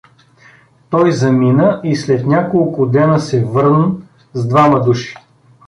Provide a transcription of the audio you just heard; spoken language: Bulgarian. Той замина и след няколко дена се върн с двама души.